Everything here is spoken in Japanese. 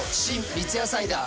三ツ矢サイダー』